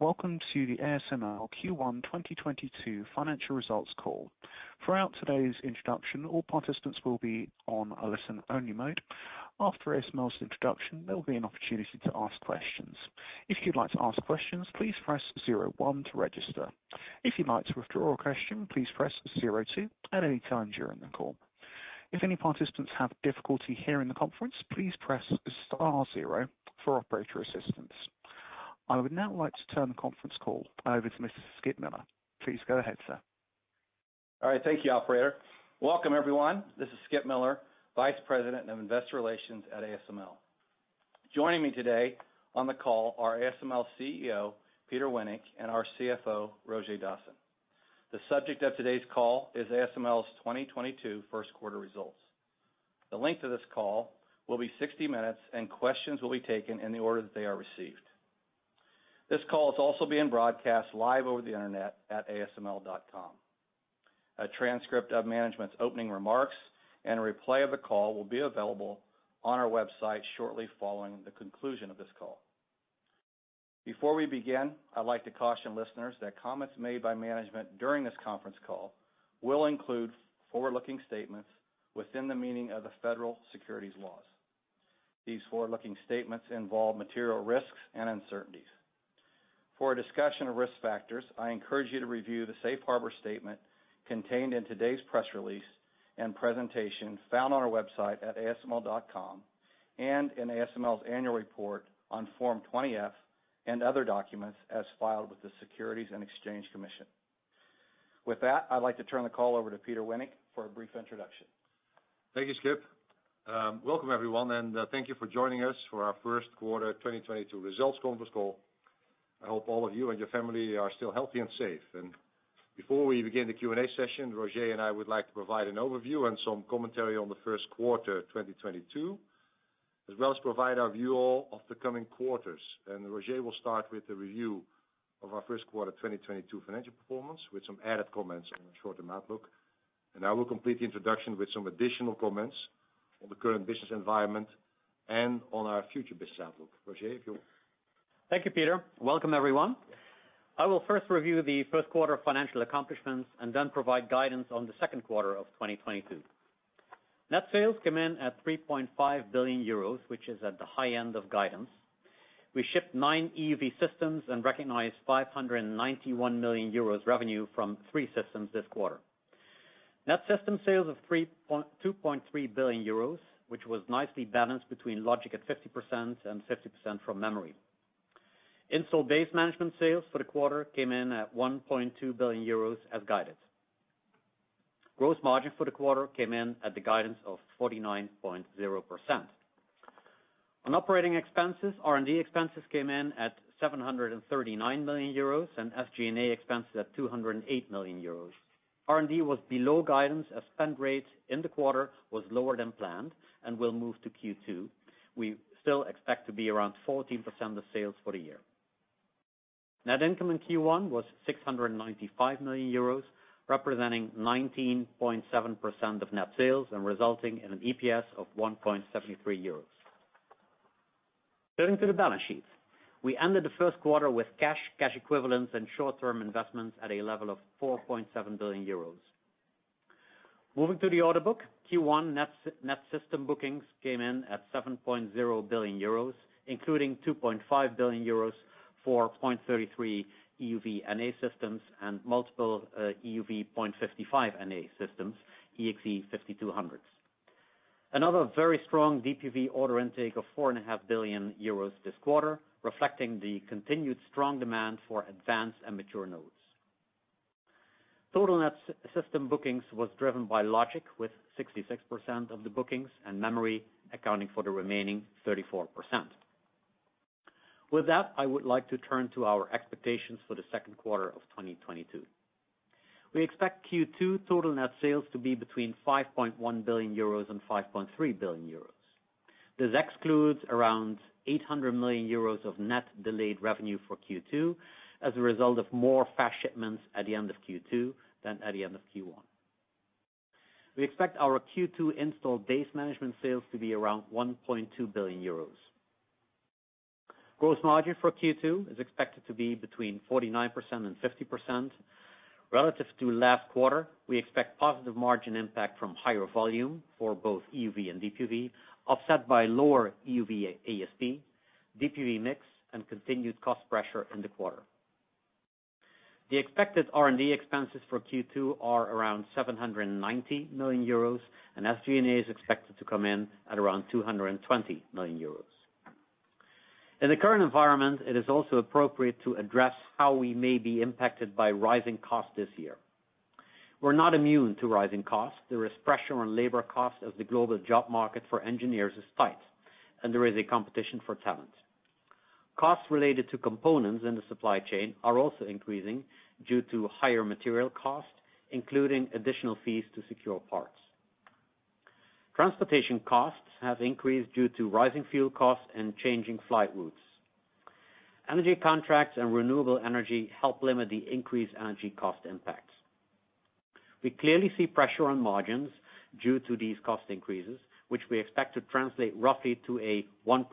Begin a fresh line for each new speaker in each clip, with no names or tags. Welcome to the ASML Q1 2022 Financial Results Call. Throughout today's introduction, all participants will be on a listen-only mode. After ASML's introduction, there will be an opportunity to ask questions. If you'd like to ask questions, please press 0 1 to register. If you'd like to withdraw a question, please press 0 2 at any time during the call. If any participants have difficulty hearing the conference, please press Star 0 for operator assistance. I would now like to turn the conference call over to Mr. Skip Miller. Please go ahead, sir.
All right. Thank you, operator. Welcome, everyone. This is Skip Miller, Vice President of Investor Relations at ASML. Joining me today on the call are ASML CEO Peter Wennink, and our CFO, Roger Dassen. The subject of today's call is ASML's 2022 Q1 Results. The length of this call will be 60 minutes, and questions will be taken in the order that they are received. This call is also being broadcast live over the internet at asml.com. A transcript of management's opening remarks and a replay of the call will be available on our website shortly following the conclusion of this call. Before we begin, I'd like to caution listeners that comments made by management during this conference call will include forward-looking statements within the meaning of the federal securities laws. These forward-looking statements involve material risks and uncertainties. For a discussion of risk factors, I encourage you to review the safe harbor statement contained in today's press release and presentation found on our website at asml.com, and in ASML's annual report on Form 20-F and other documents as filed with the Securities and Exchange Commission. With that, I'd like to turn the call over to Peter Wennink for a brief introduction.
Thank you, Skip. Welcome everyone, and thank you for joining us for our Q1 2022 results conference call. I hope all of you and your family are still healthy and safe. Before we begin the Q&A session, Roger and I would like to provide an overview and some commentary on the Q1 2022, as well as provide our view all of the coming quarters. Roger will start with the review of our Q1 2022 financial performance, with some added comments on the short-term outlook. I will complete the introduction with some additional comments on the current business environment and on our future business outlook. Roger, if you-
Thank you, Peter. Welcome, everyone. I will first review the Q1 financial accomplishments and then provide guidance on the Q2 of 2022. Net sales came in at 3.5 billion euros, which is at the high end of guidance. We shipped nine EUV systems and recognized 591 million euros revenue from three systems this quarter. Net system sales of 2.3 billion euros, which was nicely balanced between logic at 50% and 50% from memory. Installed base management sales for the quarter came in at 1.2 billion euros, as guided. Gross margin for the quarter came in at the guidance of 49.0%. On operating expenses, R&D expenses came in at 739 million euros, and SG&A expenses at 208 million euros. R&D was below guidance as spend rates in the quarter was lower than planned and will move to Q2. We still expect to be around 14% of sales for the year. Net income in Q1 was 695 million euros, representing 19.7% of net sales and resulting in an EPS of 1.73 euros. Turning to the balance sheet. We ended the Q1 with cash equivalents, and short-term investments at a level of 4.7 billion euros. Moving to the order book. Q1 net system bookings came in at 7.0 billion euros, including 2.5 billion euros for 0.33 NA EUV systems and multiple EUV 0.55 NA systems, EXE:5200s. Another very strong DUV order intake of 4 and a half billion euros this quarter, reflecting the continued strong demand for advanced and mature nodes. Total net system bookings was driven by logic with 66% of the bookings, and memory accounting for the remaining 34%. With that, I would like to turn to our expectations for the Q2 of 2022. We expect Q2 total net sales to be between 5.1 billion euros and 5.3 billion euros. This excludes around 800 million euros of net delayed revenue for Q2 as a result of more fast shipments at the end of Q2 than at the end of Q1. We expect our Q2 installed base management sales to be around 1.2 billion euros. Gross margin for Q2 is expected to be between 49% and 50%. Relative to last quarter, we expect positive margin impact from higher volume for both EUV and DUV, offset by lower EUV ASP, DUV mix, and continued cost pressure in the quarter. The expected R&D expenses for Q2 are around 790 million euros, and SG&A is expected to come in at around 220 million euros. In the current environment, it is also appropriate to address how we may be impacted by rising costs this year. We're not immune to rising costs. There is pressure on labor costs as the global job market for engineers is tight, and there is a competition for talent. Costs related to components in the supply chain are also increasing due to higher material costs, including additional fees to secure parts. Transportation costs have increased due to rising fuel costs and changing flight routes. Energy contracts and renewable energy help limit the increased energy cost impacts. We clearly see pressure on margins due to these cost increases, which we expect to translate roughly to a 1%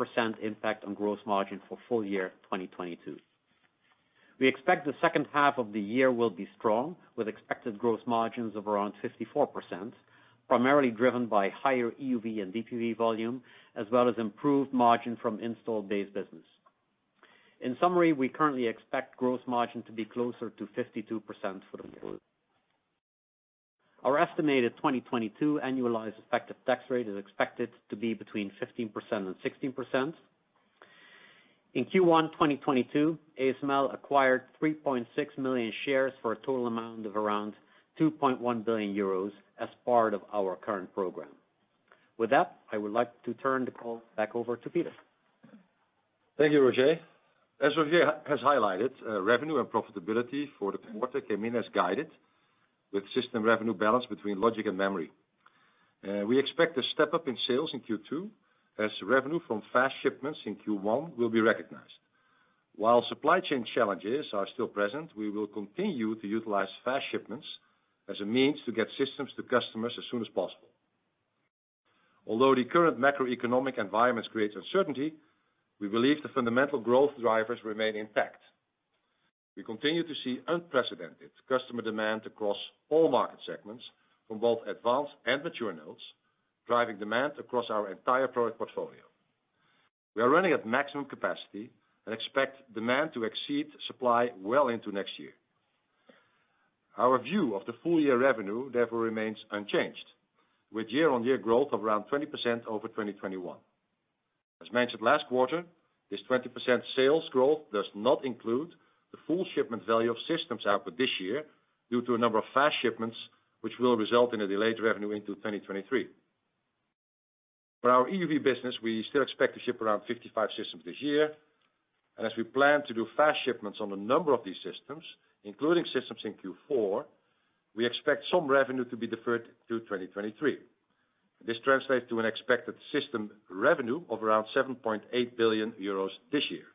impact on gross margin for full year 2022. We expect the second half of the year will be strong, with expected gross margins of around 54%, primarily driven by higher EUV and DUV volume, as well as improved margin from installed base business. In summary, we currently expect gross margin to be closer to 52% for the full year. Our estimated 2022 annualized effective tax rate is expected to be between 15% and 16%. In Q1 2022, ASML acquired 3.6 million shares for a total amount of around 2.1 billion euros as part of our current program. With that, I would like to turn the call back over to Peter.
Thank you, Roger. As Roger has highlighted, revenue and profitability for the quarter came in as guided with system revenue balance between logic and memory. We expect a step up in sales in Q2 as revenue from fast shipments in Q1 will be recognized. While supply chain challenges are still present, we will continue to utilize fast shipments as a means to get systems to customers as soon as possible. Although the current macroeconomic environment creates uncertainty, we believe the fundamental growth drivers remain intact. We continue to see unprecedented customer demand across all market segments from both advanced and mature nodes, driving demand across our entire product portfolio. We are running at maximum capacity and expect demand to exceed supply well into next year. Our view of the full year revenue, therefore remains unchanged with year-on-year growth of around 20% over 2021. As mentioned last quarter, this 20% sales growth does not include the full shipment value of systems output this year due to a number of fast shipments, which will result in a delayed revenue into 2023. For our EUV business, we still expect to ship around 55 systems this year, and as we plan to do fast shipments on a number of these systems, including systems in Q4, we expect some revenue to be deferred to 2023. This translates to an expected system revenue of around 7.8 billion euros this year.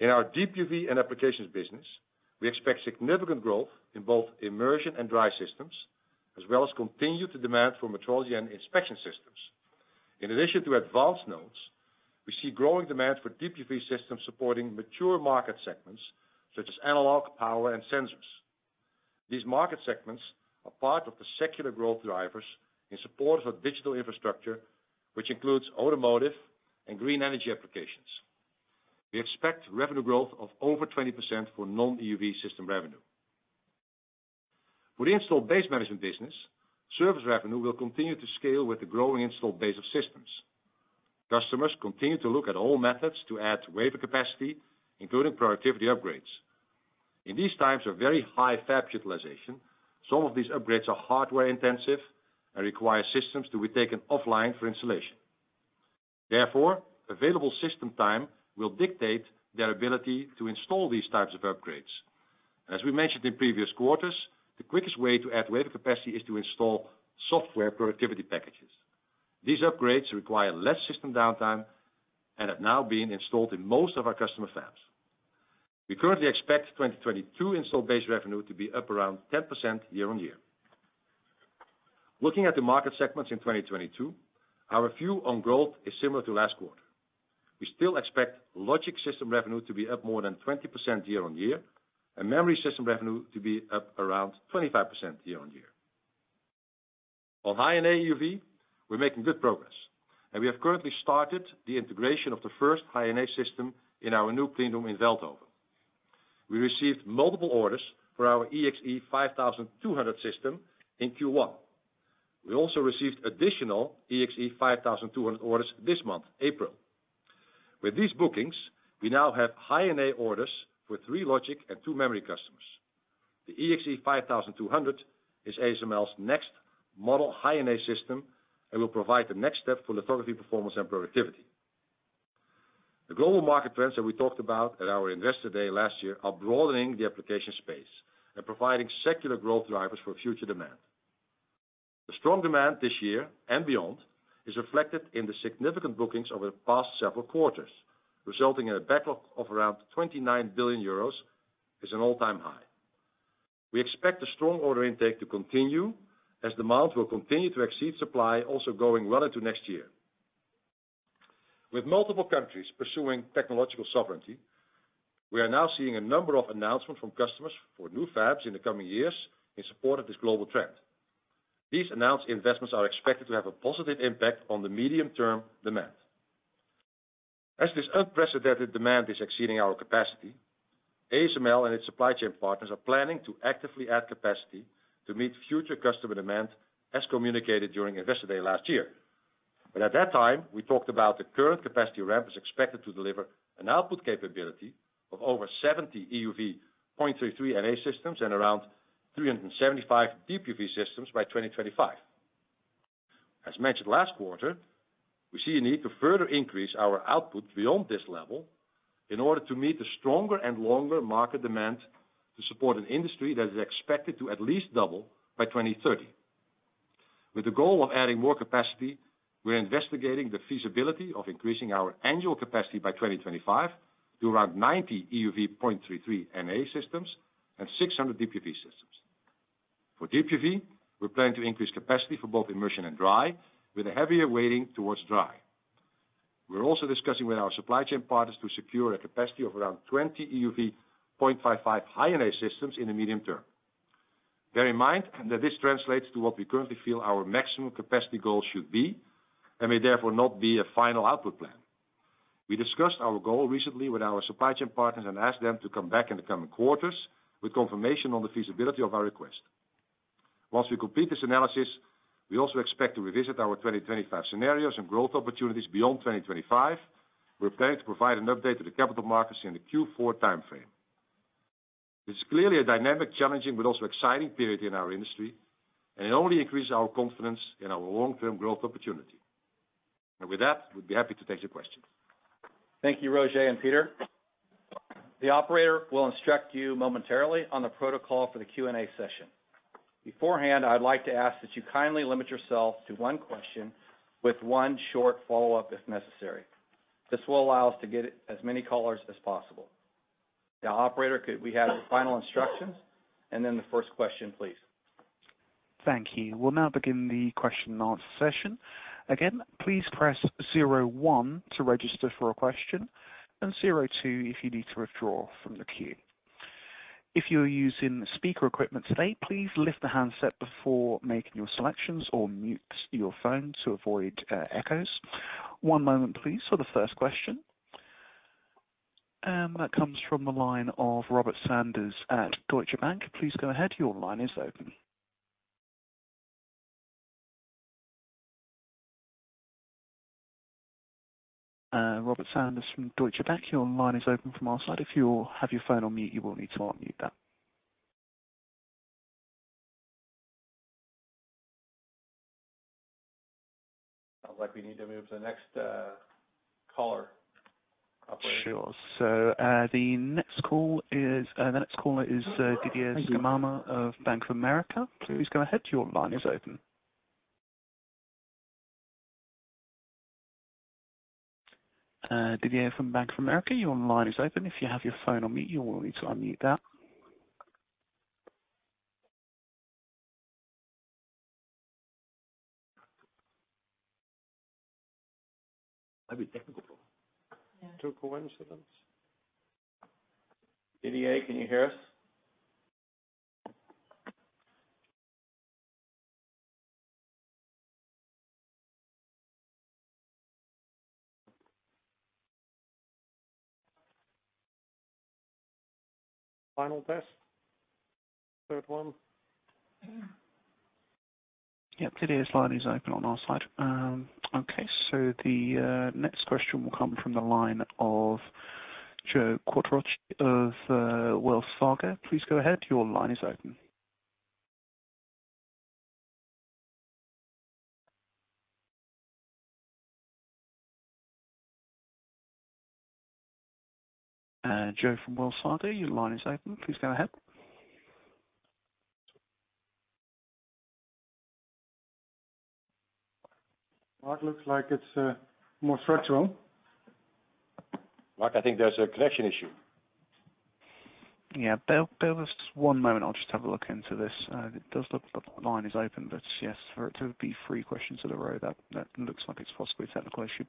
In our DUV and applications business, we expect significant growth in both immersion and dry systems, as well as continued demand for metrology and inspection systems. In addition to advanced nodes, we see growing demand for DUV systems supporting mature market segments such as analog, power, and sensors. These market segments are part of the secular growth drivers in support of digital infrastructure, which includes automotive and green energy applications. We expect revenue growth of over 20% for non-EUV system revenue. For the installed base management business, service revenue will continue to scale with the growing installed base of systems. Customers continue to look at all methods to add wafer capacity, including productivity upgrades. In these times of very high fab utilization, some of these upgrades are hardware-intensive and require systems to be taken offline for installation. Therefore, available system time will dictate their ability to install these types of upgrades. As we mentioned in previous quarters, the quickest way to add wafer capacity is to install software productivity packages. These upgrades require less system downtime and have now been installed in most of our customer fabs. We currently expect 2022 install base revenue to be up around 10% year-on-year. Looking at the market segments in 2022, our view on growth is similar to last quarter. We still expect logic system revenue to be up more than 20% year-on-year, and memory system revenue to be up around 25% year-on-year. On High NA EUV, we're making good progress, and we have currently started the integration of the first High NA system in our new cleanroom in Veldhoven. We received multiple orders for our EXE:5200 system in Q1. We also received additional EXE:5200 orders this month, April. With these bookings, we now have High NA orders for 3 Logic and 2 Memory customers. The EXE:5200 is ASML's next model High NA system and will provide the next step for lithography performance and productivity. The global market trends that we talked about at our Investor Day last year are broadening the application space and providing secular growth drivers for future demand. The strong demand this year and beyond is reflected in the significant bookings over the past several quarters, resulting in a backlog of around 29 billion euros, is an all-time high. We expect the strong order intake to continue as demand will continue to exceed supply also going well into next year. With multiple countries pursuing technological sovereignty, we are now seeing a number of announcements from customers for new fabs in the coming years in support of this global trend. These announced investments are expected to have a positive impact on the medium-term demand. As this unprecedented demand is exceeding our capacity, ASML and its supply chain partners are planning to actively add capacity to meet future customer demand as communicated during Investor Day last year. At that time, we talked about the current capacity ramp is expected to deliver an output capability of over 70 EUV 0.33 NA systems and around 375 DUV systems by 2025. As mentioned last quarter, we see a need to further increase our output beyond this level in order to meet the stronger and longer market demand to support an industry that is expected to at least double by 2030. With the goal of adding more capacity, we're investigating the feasibility of increasing our annual capacity by 2025 to around 90 EUV 0.33 NA systems and 600 DUV systems. For DUV, we plan to increase capacity for both immersion and dry, with a heavier weighting towards dry. We're also discussing with our supply chain partners to secure a capacity of around 20 EUV 0.55 High NA systems in the medium term. Bear in mind that this translates to what we currently feel our maximum capacity goal should be and may therefore not be a final output plan. We discussed our goal recently with our supply chain partners and asked them to come back in the coming quarters with confirmation on the feasibility of our request. Once we complete this analysis, we also expect to revisit our 2025 scenarios and growth opportunities beyond 2025. We're planning to provide an update to the capital markets in the Q4 timeframe. This is clearly a dynamic, challenging, but also exciting period in our industry, and it only increases our confidence in our long-term growth opportunity. With that, we'd be happy to take your questions.
Thank you, Roger and Peter. The operator will instruct you momentarily on the protocol for the Q&A session. Beforehand, I'd like to ask that you kindly limit yourself to one question with one short follow-up if necessary. This will allow us to get as many callers as possible. Now, operator, could we have the final instructions and then the first question, please?
Thank you. We'll now begin the question and answer session. Again, please press 0 1 to register for a question and 0 2 if you need to withdraw from the queue. If you're using speaker equipment today, please lift the handset before making your selections or mute your phone to avoid echoes. One moment, please, for the first question. That comes from the line of Robert Sanders at Deutsche Bank. Please go ahead. Your line is open. Robert Sanders from Deutsche Bank, your line is open from our side. If you have your phone on mute, you will need to unmute that.
Sounds like we need to move to the next caller. Operator.
Sure. The next caller is Didier Scemama of Bank of America. Please go ahead. Your line is open. Didier from Bank of America, your line is open. If you have your phone on mute, you will need to unmute that.
Might be technical.
Yeah.
Two coincidences.
Didier, can you hear us? Final test. Third one.
Didier's line is open on our side. The next question will come from the line of Joe Quatrochi of Wells Fargo. Please go ahead. Your line is open. Joe from Wells Fargo, your line is open. Please go ahead.
Mark, looks like it's more structural. Mark, I think there's a connection issue.
Yeah. Bear with us one moment. I'll just have a look into this. It does look like the line is open, but yes, for it to be three questions in a row, that looks like it's possibly a technical issue.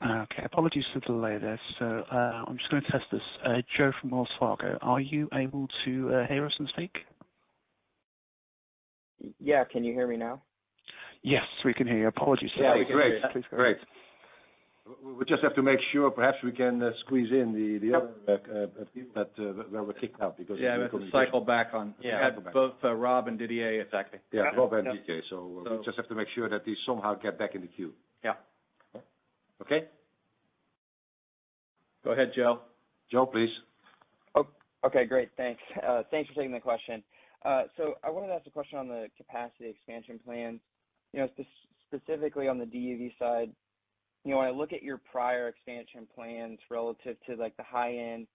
Bear with me just a moment. Okay. Apologies for the delay there. I'm just gonna test this. Joe from Wells Fargo, are you able to hear us and speak?
Yeah. Can you hear me now?
Yes, we can hear you. Apologies.
Yeah. Great. We just have to make sure perhaps we can squeeze in the other people that were kicked out because.
Yeah. We can cycle back on. Yeah. We had both, Robert and Didier, exactly.
Yeah. Robert and Didier. We just have to make sure that they somehow get back in the queue.
Yeah.
Okay?
Go ahead, Joe.
Joe, please.
Okay. Great. Thanks. Thanks for taking the question. I wanted to ask a question on the capacity expansion plans. You know, specifically on the DUV side. You know, when I look at your prior expansion plans relative to, like, the high end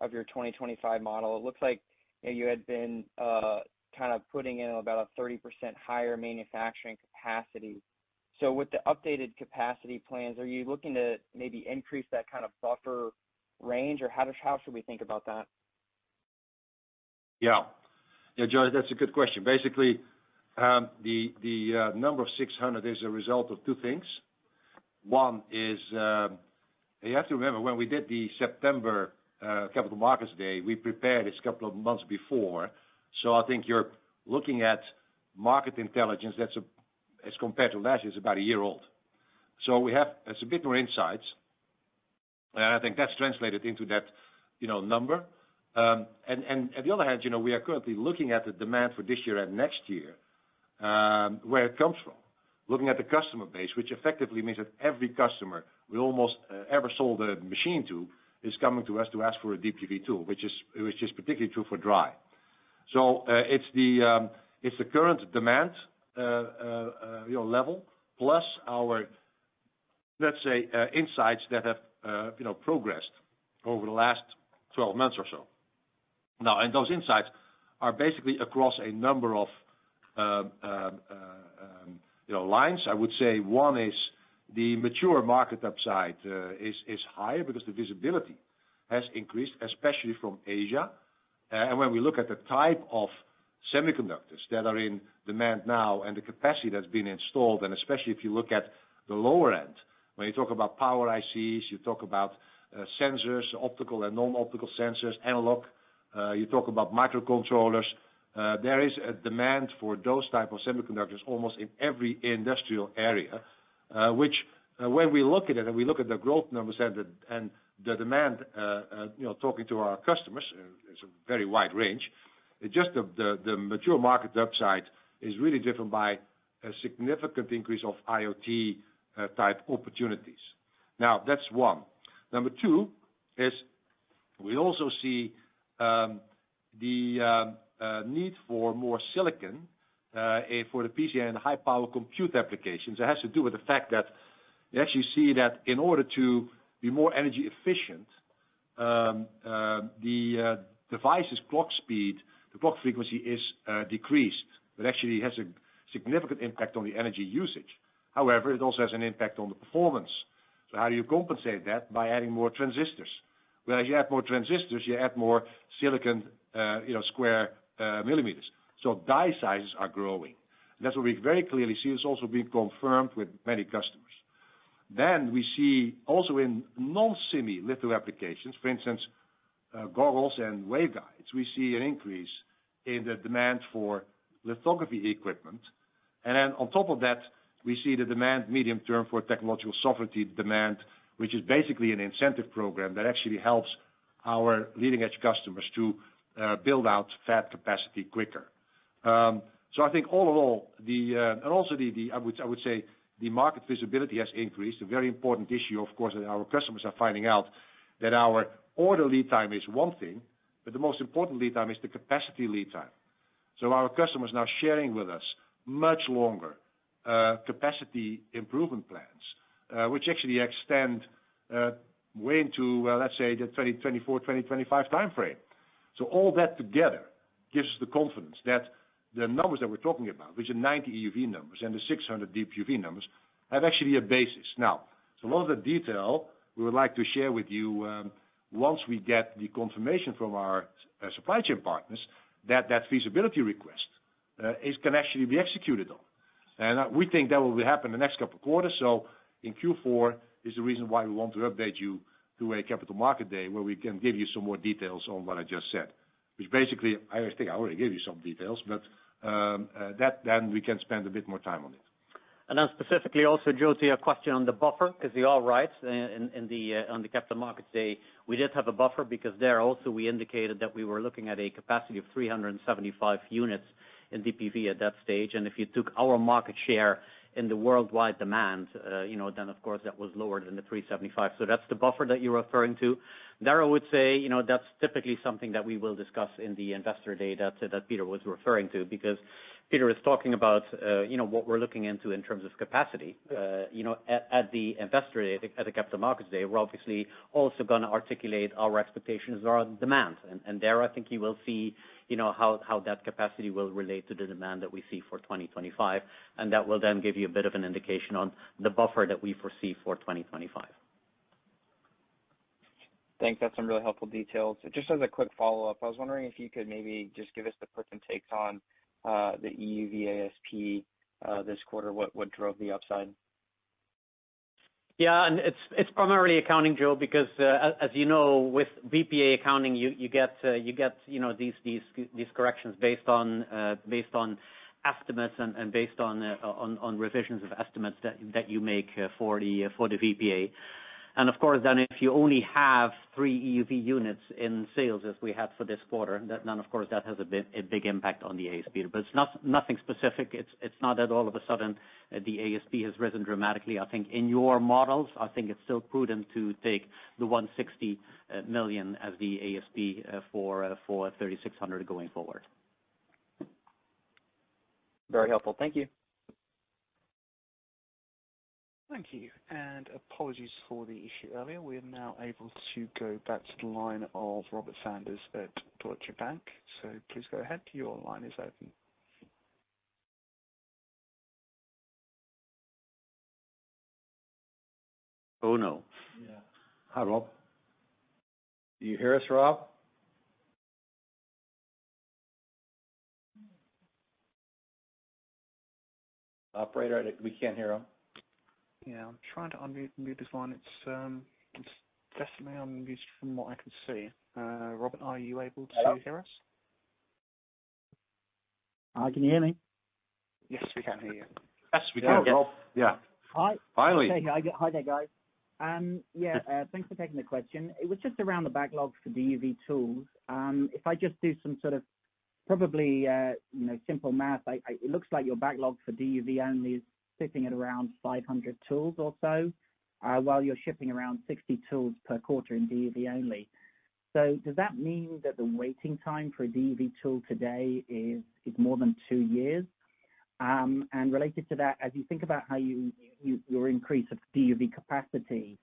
of your 2025 model, it looks like you had been kind of putting in about a 30% higher manufacturing capacity. With the updated capacity plans, are you looking to maybe increase that kind of buffer range? Or how should we think about that?
Yeah. Yeah, Joe, that's a good question. Basically, the number 600 is a result of two things. One is, you have to remember when we did the September Capital Markets Day, we prepared this couple of months before. I think you're looking at market intelligence that's as compared to last year, is about a year old. We have more insights. I think that's translated into that number. On the other hand, we are currently looking at the demand for this year and next year, where it comes from. Looking at the customer base, which effectively means that every customer we've ever sold a machine to, is coming to us to ask for a DUV tool, which is particularly true for dry. It's the current demand level, plus our, let's say, insights that have progressed over the last 12 months or so. Those insights are basically across a number of lines. I would say one is the mature market upside is higher because the visibility has increased, especially from Asia. When we look at the type of semiconductors that are in demand now and the capacity that's been installed, and especially if you look at the lower end, when you talk about power ICs, you talk about sensors, optical and non-optical sensors, analog, you talk about microcontrollers, there is a demand for those type of semiconductors almost in every industrial area which, when we look at it and we look at the growth numbers and the demand, you know, talking to our customers, it's a very wide range. Just the mature market upside is really driven by a significant increase of IoT-type opportunities. Now that's 1. Number 2 is we also see the need for more silicon for the PC and high power compute applications. It has to do with the fact that you actually see that in order to be more energy efficient, the device's clock speed, the clock frequency is decreased. That actually has a significant impact on the energy usage. However, it also has an impact on the performance. So how do you compensate that? By adding more transistors. Where you add more transistors, you add more silicon, you know, square millimeters. So die sizes are growing. That's what we very clearly see. It's also been confirmed with many customers. We see also in non-semi litho applications, for instance, goggles and waveguides, we see an increase in the demand for lithography equipment. On top of that, we see the demand medium term for technological sovereignty demand, which is basically an incentive program that actually helps our leading-edge customers to build out fab capacity quicker. I think all in all, I would say the market visibility has increased. A very important issue, of course, our customers are finding out that our order lead time is one thing, but the most important lead time is the capacity lead time. Our customers are now sharing with us much longer capacity improvement plans, which actually extend way into, let's say, the 2024, 2025 timeframe. All that together gives the confidence that the numbers that we're talking about, which are 90 EUV numbers and the 600 DUV numbers, have actually a basis. A lot of the detail we would like to share with you once we get the confirmation from our supply chain partners that the feasibility request can actually be executed on. We think that will happen the next couple quarters. In Q4 is the reason why we want to update you to a Capital Markets Day where we can give you some more details on what I just said. Which basically, I think I already gave you some details, but that then we can spend a bit more time on it.
Specifically also, Joe, to your question on the buffer, because you are right. In the Capital Markets Day, we did have a buffer because there also we indicated that we were looking at a capacity of 375 units in DUV at that stage. If you took our market share in the worldwide demand, you know, then of course, that was lower than the 375. So that's the buffer that you're referring to. There I would say, you know, that's typically something that we will discuss in the Investor Day that Peter was referring to. Because Peter is talking about, you know, what we're looking into in terms of capacity. You know, at the Investor Day, at the Capital Markets Day, we're obviously also gonna articulate our expectations around demand. There, I think you will see, you know, how that capacity will relate to the demand that we see for 2025, and that will then give you a bit of an indication on the buffer that we foresee for 2025.
Thanks. That's some really helpful details. Just as a quick follow-up, I was wondering if you could maybe just give us the puts and takes on the EUV ASP this quarter. What drove the upside?
Yeah. It's primarily accounting, Joe, because as you know, with VPA accounting, you get, you know, these corrections based on estimates and based on revisions of estimates that you make for the VPA. Of course, then if you only have 3 EUV units in sales as we have for this quarter, then of course that has a big impact on the ASP. But it's nothing specific. It's not that all of a sudden the ASP has risen dramatically. I think in your models it's still prudent to take 160 million as the ASP for 3600 going forward.
Very helpful. Thank you.
Thank you. Apologies for the issue earlier. We're now able to go back to the line of Robert Sanders at Deutsche Bank. Please go ahead. Your line is open.
Oh, no.
Yeah.
Hi, Robert. Do you hear us, Robert?
Operator, we can't hear him.
Yeah, I'm trying to unmute this line. It's definitely on mute from what I can see. Robert, are you able to hear us?
Hi, can you hear me?
Yes, we can hear you.
Yes, we can. Robert. Yeah.
Hi.
Finally.
Hi there. Hi there, guys. Yeah, thanks for taking the question. It was just around the backlogs for DUV tools. If I just do some sort of probably, you know, simple math, it looks like your backlog for DUV only is sitting at around 500 tools or so, while you're shipping around 60 tools per quarter in DUV only. Does that mean that the waiting time for a DUV tool today is more than 2 years? And related to that, as you think about how you, your increase of DUV capacity,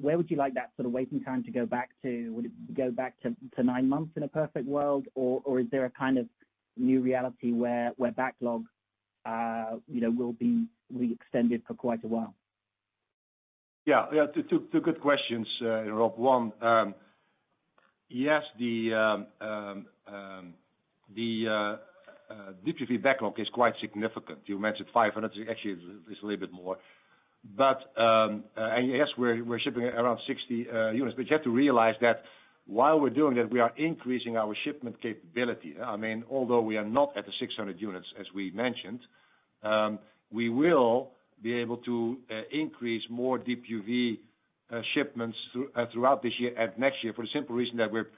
where would you like that sort of waiting time to go back to? Would it go back to 9 months in a perfect world? Or is there a kind of new reality where backlog, you know, will be re-extended for quite a while?
Two good questions, Robert. One, yes, the DUV backlog is quite significant. You mentioned 500. Actually, it's a little bit more. And yes, we're shipping around 60 units. You have to realize that while we're doing that, we are increasing our shipment capability. I mean, although we are not at the 600 units, as we mentioned, we will be able to increase more DUV shipments throughout this year and next year for the simple reason that we're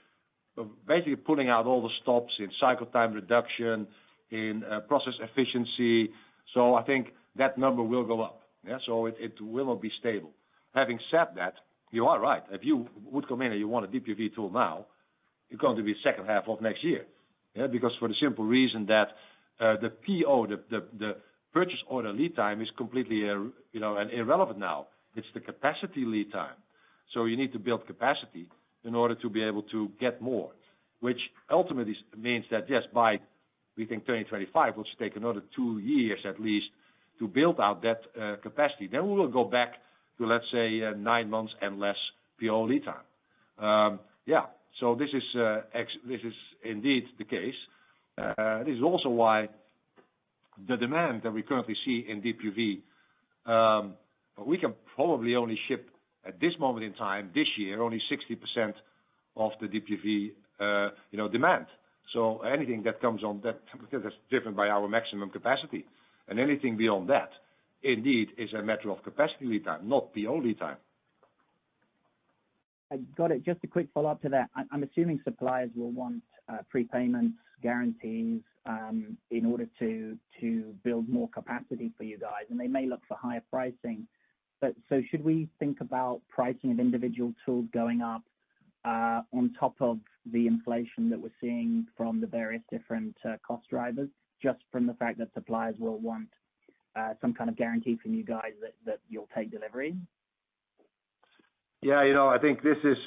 basically pulling out all the stops in cycle time reduction, in process efficiency. I think that number will go up. It will not be stable. Having said that, you are right. If you would come in and you want a DUV tool now, you're going to be second half of next year. Because for the simple reason that, the PO, the purchase order lead time is completely, you know, irrelevant now. It's the capacity lead time. You need to build capacity in order to be able to get more, which ultimately means that, yes, by, we think 2025, which take another 2 years at least to build out that capacity. We will go back to, let's say, 9 months and less PO lead time. Yeah. This is indeed the case. This is also why the demand that we currently see in DUV, we can probably only ship at this moment in time, this year, only 60% of the DUV, you know, demand. Anything that comes on that, because that's driven by our maximum capacity. Anything beyond that, indeed is a matter of capacity lead time, not PO lead time.
Got it. Just a quick follow-up to that. I'm assuming suppliers will want prepayments, guarantees in order to build more capacity for you guys, and they may look for higher pricing. Should we think about pricing of individual tools going up on top of the inflation that we're seeing from the various different cost drivers, just from the fact that suppliers will want some kind of guarantee from you guys that you'll take delivery?
Yeah. You know, I think this is.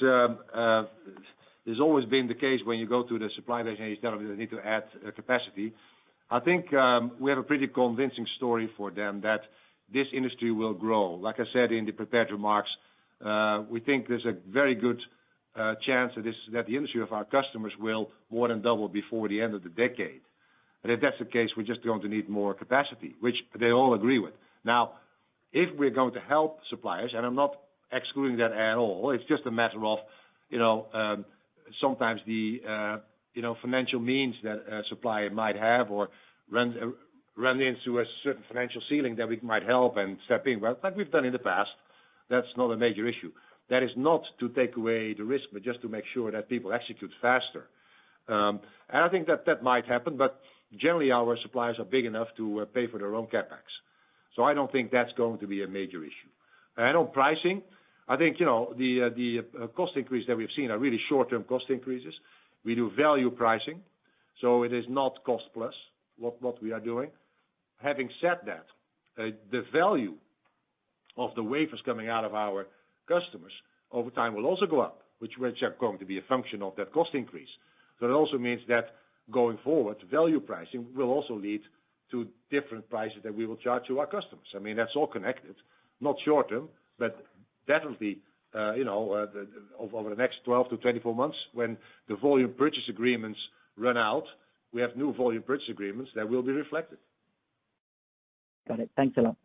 It's always been the case when you go to the supply base and you tell them you need to add capacity. I think, we have a pretty convincing story for them that this industry will grow. Like I said in the prepared remarks, we think there's a very good chance that the industry of our customers will more than double before the end of the decade. If that's the case, we're just going to need more capacity, which they all agree with. Now, if we're going to help suppliers, and I'm not excluding that at all, it's just a matter of, you know, sometimes the, you know, financial means that a supplier might have or run into a certain financial ceiling that we might help and step in, like we've done in the past, that's not a major issue. That is not to take away the risk, but just to make sure that people execute faster. I think that might happen, but generally our suppliers are big enough to pay for their own CapEx. I don't think that's going to be a major issue. On pricing, I think, you know, the cost increase that we've seen are really short-term cost increases. We do value pricing, so it is not cost plus what we are doing. Having said that, the value of the wafers coming out of our customers over time will also go up, which are going to be a function of that cost increase. It also means that going forward, value pricing will also lead to different prices that we will charge to our customers. I mean, that's all connected. Not short-term, but that'll be, you know, over the next 12-24 months when the volume purchase agreements run out, we have new volume purchase agreements that will be reflected.
Got it. Thanks a lot.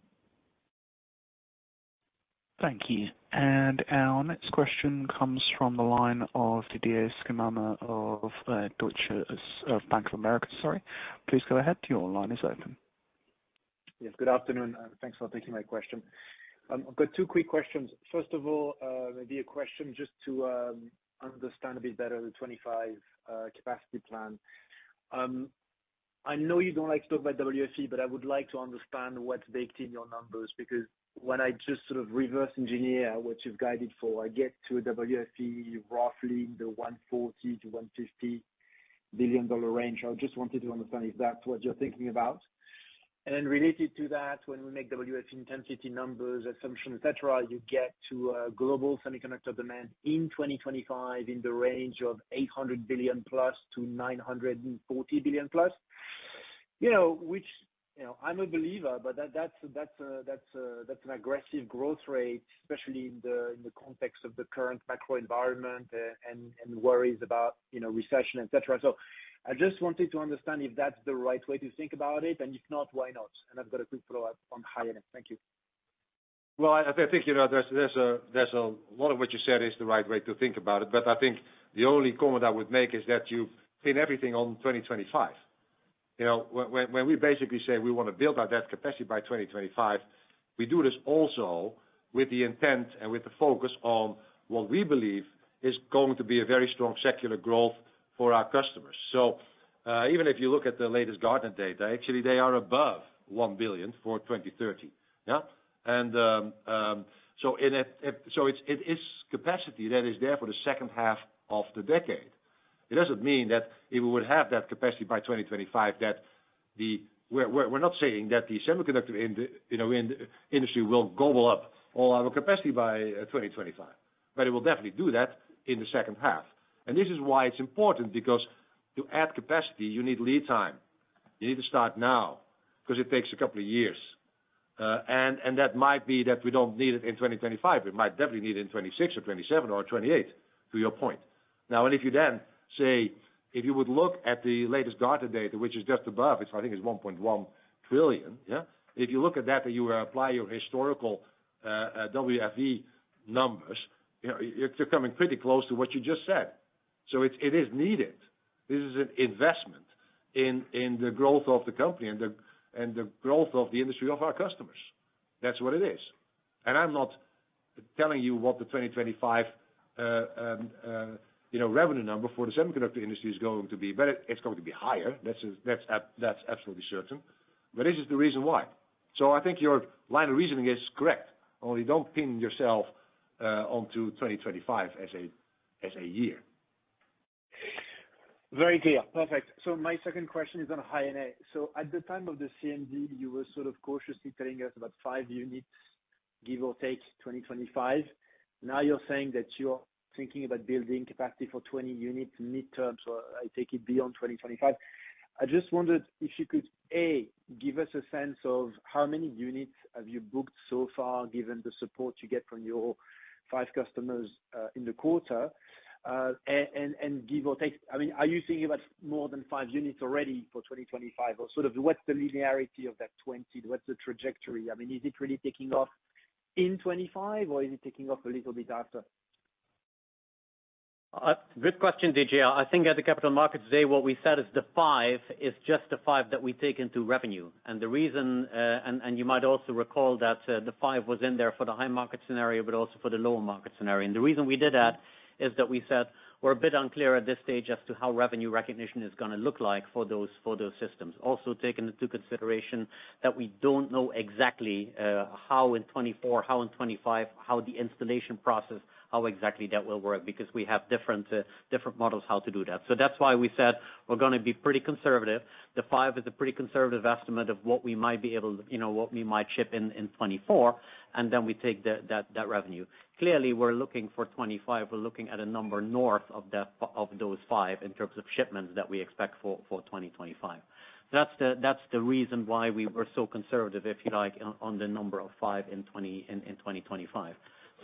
Thank you. Our next question comes from the line of Didier Scemama of Bank of America, sorry. Please go ahead. Your line is open.
Yes, good afternoon, and thanks for taking my question. I've got two quick questions. First of all, maybe a question just to understand a bit better the 2025 capacity plan. I know you don't like to talk about WFE, but I would like to understand what's baked in your numbers. Because when I just sort of reverse engineer what you've guided for, I get to a WFE roughly in the $140 billion-$150 billion range. I just wanted to understand if that's what you're thinking about. Related to that, when we make WFE intensity numbers, assumptions, et cetera, you get to a global semiconductor demand in 2025 in the range of $800 billion+ to $940 billion+. You know, I'm a believer, but that's an aggressive growth rate, especially in the context of the current macro environment, and worries about, you know, recession, et cetera. I just wanted to understand if that's the right way to think about it, and if not, why not? I've got a quick follow-up on High NA. Thank you.
Well, I think, you know, there's a lot of what you said is the right way to think about it, but I think the only comment I would make is that you pin everything on 2025. You know, when we basically say we wanna build out that capacity by 2025, we do this also with the intent and with the focus on what we believe is going to be a very strong secular growth for our customers. Even if you look at the latest Gartner data, actually they are above 1 billion for 2030, yeah? It is capacity that is there for the second half of the decade. It doesn't mean that if we would have that capacity by 2025, that the We're not saying that the semiconductor industry will global up all our capacity by 2025, but it will definitely do that in the second half. This is why it's important, because to add capacity, you need lead time. You need to start now, 'cause it takes a couple of years. That might be that we don't need it in 2025. We might definitely need it in 2026 or 2027 or 2028, to your point. If you then say if you would look at the latest data, which is just above, I think it's $1.1 trillion, yeah? If you look at that and you apply your historical WFE numbers, you know, you're coming pretty close to what you just said. It is needed. This is an investment in the growth of the company and the growth of the industry of our customers. That's what it is. I'm not telling you what the 2025, you know, revenue number for the semiconductor industry is going to be, but it's going to be higher. That's absolutely certain. This is the reason why. I think your line of reasoning is correct, only don't pin yourself onto 2025 as a year.
Very clear. Perfect. My second question is on High NA. At the time of the CMD, you were sort of cautiously telling us about 5 units, give or take, 2025. Now you're saying that you're thinking about building capacity for 20 units mid-term, so I take it beyond 2025. I just wondered if you could, A, give us a sense of how many units have you booked so far, given the support you get from your five customers, in the quarter? And give or take, I mean, are you thinking about more than 5 units already for 2025? Or sort of what's the linearity of that 20? What's the trajectory? I mean, is it really taking off in 2025, or is it taking off a little bit after?
Good question, Didier. I think at the Capital Markets Day today, what we said is the 5 is just the 5 that we take into revenue. The reason you might also recall that the 5 was in there for the high market scenario, but also for the lower market scenario. The reason we did that is that we said we're a bit unclear at this stage as to how revenue recognition is gonna look like for those systems. Also taking into consideration that we don't know exactly how in 2024, how in 2025, how the installation process, how exactly that will work, because we have different models how to do that. That's why we said we're gonna be pretty conservative. The 5 is a pretty conservative estimate of what we might ship in 2024, and then we take that revenue. Clearly, we're looking for 2025, we're looking at a number north of that, of those 5 in terms of shipments that we expect for 2025. That's the reason why we were so conservative, if you like, on the number of 5 in 2025.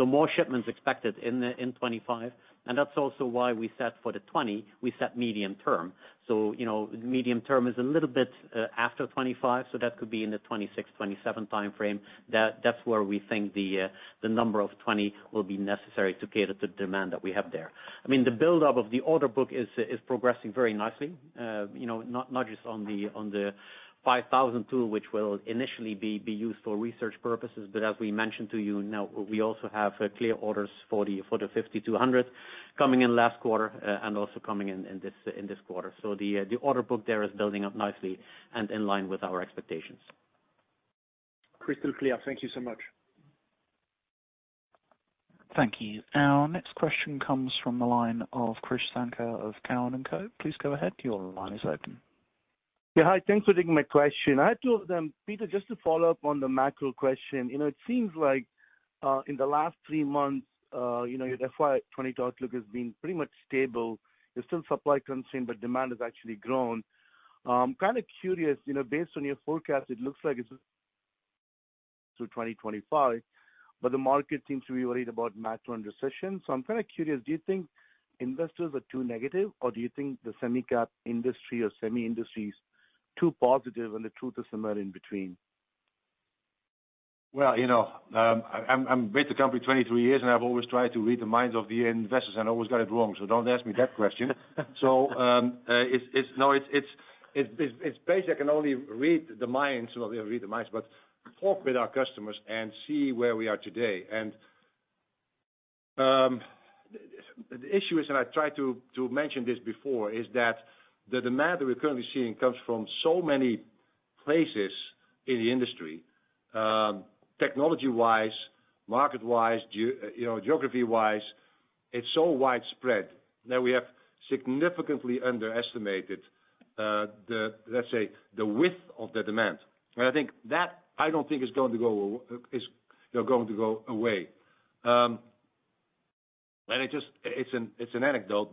More shipments expected in 2025, and that's also why we set the 20 for medium term. You know, medium term is a little bit after 2025, so that could be in the 2026, 2027 timeframe. That's where we think the number of 20 will be necessary to cater to demand that we have there. I mean, the buildup of the order book is progressing very nicely. You know, not just on the 5000 tool, which will initially be used for research purposes, but as we mentioned to you, now we also have clear orders for the 5200 coming in last quarter, and also coming in this quarter. The order book there is building up nicely and in line with our expectations.
Crystal clear. Thank you so much.
Thank you. Our next question comes from the line of Krish Sankar of Cowen and Company. Please go ahead, your line is open.
Yeah. Hi, thanks for taking my question. I have two of them. Peter, just to follow up on the macro question. You know, it seems like in the last three months, you know, your FY 2022 outlook has been pretty much stable. There's still supply constraint, but demand has actually grown. Kind of curious, you know, based on your forecast, it looks like it's through 2025, but the market seems to be worried about macro and recession. I'm kind of curious, do you think Investors are too negative or do you think the semi-cap industry or semi industry is too positive and the truth is somewhere in between?
Well, you know, I'm with the company 23 years, and I've always tried to read the minds of the Investors and always got it wrong. Don't ask me that question. It's basically I can only read the minds, well, read the minds, but talk with our customers and see where we are today. The issue is, and I tried to mention this before, is that the demand that we're currently seeing comes from so many places in the industry, technology-wise, market-wise, you know, geography-wise. It's so widespread that we have significantly underestimated the, let's say, the width of the demand. I think that it's not going to go away. It just It's an anecdote.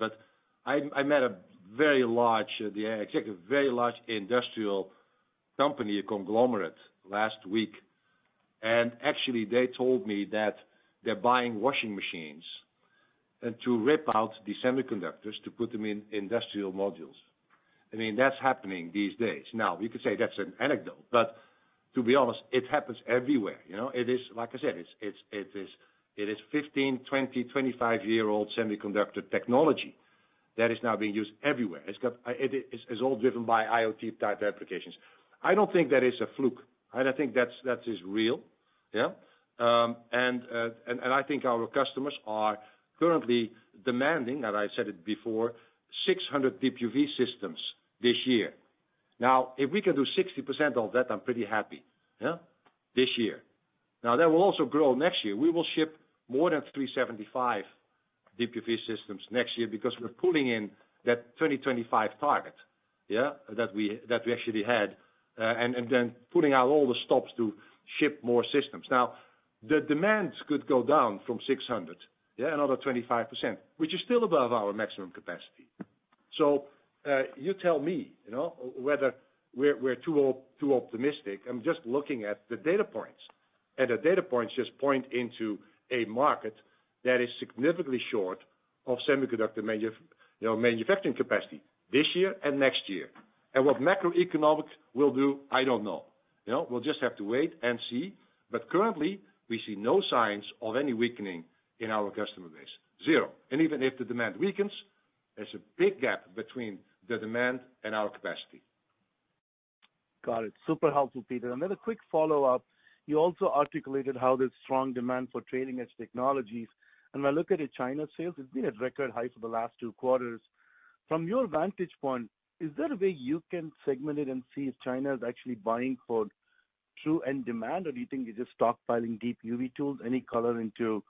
Got it. Super helpful, Peter. Then a quick follow-up. You also articulated how there's strong demand for trailing edge technologies. When I look at the China sales, it's been at record high for the last two quarters. From your vantage point, is there a way you can segment it and see if China is actually buying for true end demand? Or do you think they're just stockpiling deep UV tools? Any color into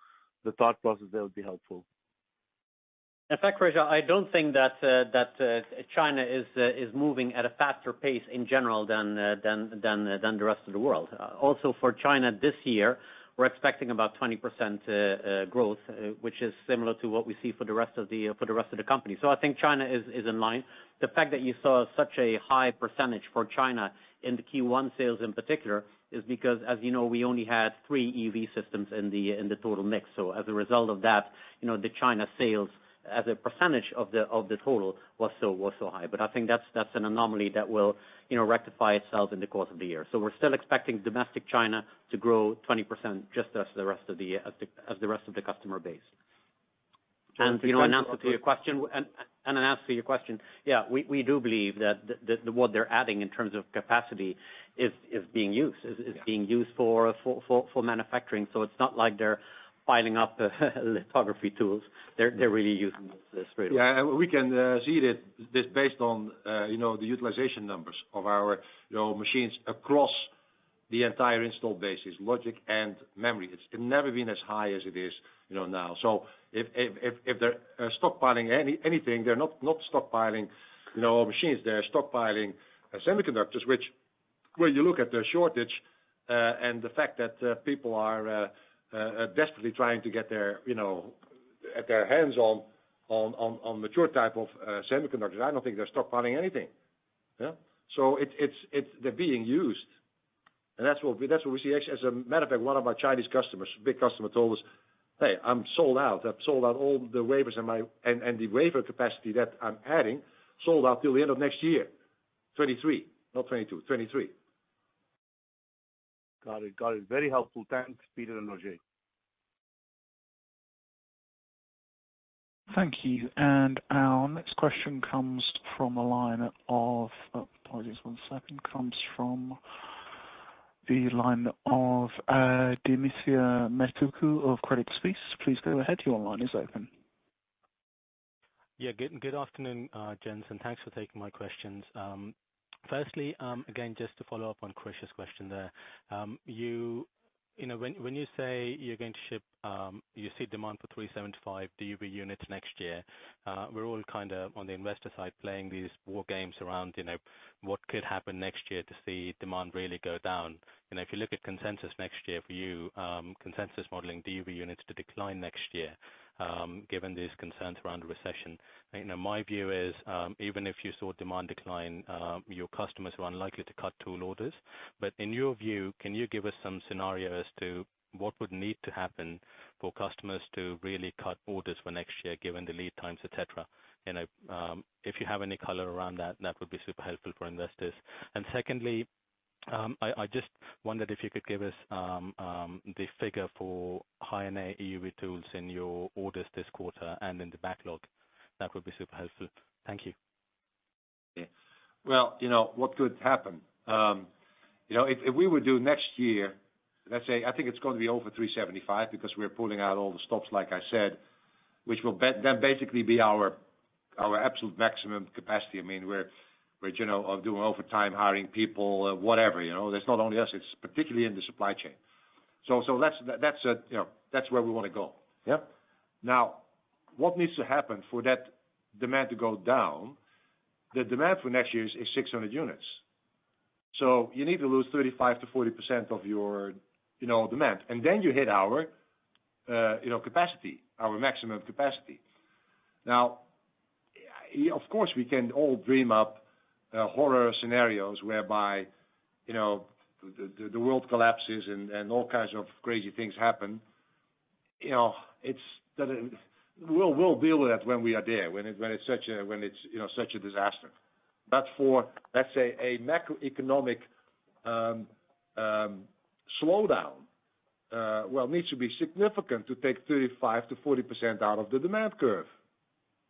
the thought process there would be helpful.
In fact, Krish, I don't think that China is moving at a faster pace in general than the rest of the world. Also for China this year, we're expecting about 20% growth, which is similar to what we see for the rest of the company. I think China is in line. The fact that you saw such a high percentage for China in the Q1 sales in particular is because, as you know, we only had 3 EUV systems in the total mix. As a result of that, you know, the China sales as a percentage of the total was so high. I think that's an anomaly that will, you know, rectify itself in the course of the year. We're still expecting domestic China to grow 20% just as the rest of the customer base. You know, in answer to your question, yeah, we do believe that the what they're adding in terms of capacity is being used for manufacturing. It's not like they're piling up lithography tools. They're really using this trade-off.
Yeah, we can see that this is based on you know the utilization numbers of our you know machines across the entire install base, logic and memory. It's never been as high as it is you know now. If they're stockpiling anything, they're not stockpiling you know machines. They're stockpiling semiconductors, which when you look at their shortage and the fact that people are desperately trying to get their hands on mature type of semiconductors, I don't think they're stockpiling anything. Yeah? It's. They're being used, and that's what we see. Actually, as a matter of fact, one of our Chinese customers, big customer, told us, "Hey, I'm sold out. I've sold out all the wafers in my. The wafer capacity that I'm adding sold out till the end of next year, 2023. Not 2022, 2023.
Got it. Got it. Very helpful. Thanks, Peter and Roger.
Thank you. Our next question comes from the line of Adithya Metuku of Credit Suisse. Please go ahead. Your line is open.
Yeah. Good afternoon, gents, and thanks for taking my questions. Firstly, again, just to follow up on Krish's question there. You know, when you say you're going to ship, you see demand for 375 DUV units next year, we're all kind of on the Investor side playing these war games around, you know, what could happen next year to see demand really go down. You know, if you look at consensus next year for you, consensus modeling DUV units to decline next year, given these concerns around recession. You know, my view is, even if you saw demand decline, your customers are unlikely to cut tool orders. In your view, can you give us some scenario as to what would need to happen for customers to really cut orders for next year, given the lead times, et cetera? You know, if you have any color around that would be super helpful for Investors. Secondly, I just wondered if you could give us the figure for High-NA EUV tools in your orders this quarter and in the backlog. That would be super helpful. Thank you.
Yeah. Well, you know what could happen. You know, if we would do next year, let's say, I think it's going to be over 375 because we're pulling out all the stops, like I said, which will basically be our absolute maximum capacity. I mean, we're doing overtime, hiring people, whatever, you know? It's not only us, it's particularly in the supply chain. That's where we want to go. Yeah? Now, what needs to happen for that demand to go down? The demand for next year is 600 units. So you need to lose 35%-40% of your demand. Then you hit our capacity, our maximum capacity. Now, of course, we can all dream up horror scenarios whereby the world collapses and all kinds of crazy things happen. We'll deal with that when we are there, when it's such a disaster. For, let's say, a macroeconomic slowdown needs to be significant to take 35%-40% out of the demand curve.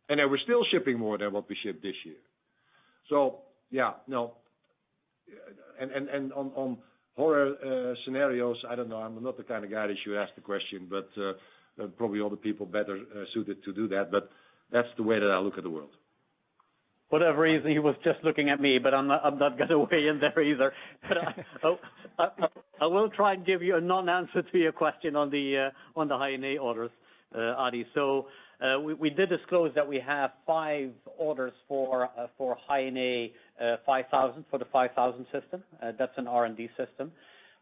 We're still shipping more than what we shipped this year. Yeah, no. On horror scenarios, I don't know. I'm not the kind of guy that you ask the question, but probably other people better suited to do that. That's the way that I look at the world.
For whatever reason, he was just looking at me, but I'm not gonna weigh in there either. I will try and give you a non-answer to your question on the High-NA orders, Adithya. We did disclose that we have 5 orders for High-NA 5,000, for the 5,000 system. That's an R&D system.